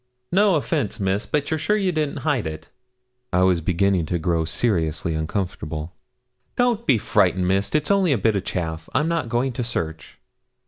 'No offence, Miss, but you're sure you didn't hide it?' I was beginning to grow seriously uncomfortable. 'Don't be frightened, Miss; it's only a bit o' chaff. I'm not going to search.'